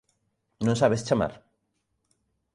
Non sabes chamar?